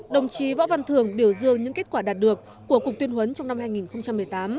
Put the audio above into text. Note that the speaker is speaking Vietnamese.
đồng chí võ văn thường biểu dương những kết quả đạt được của cục tuyên huấn trong năm hai nghìn một mươi tám